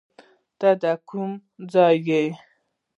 ته ده کوم ځای یې